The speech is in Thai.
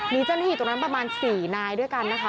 เนี่ยจะได้เห็นตรงนั้นประมาณ๔นายด้วยกันนะคะ